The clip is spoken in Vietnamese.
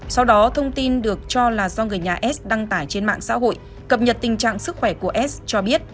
sau đó thông tin được cho là do người nhà s đăng tải trên mạng xã hội cập nhật tình trạng sức khỏe của s cho biết